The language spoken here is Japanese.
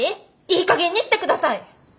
いいかげんにしてください！